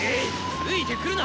ついてくるな！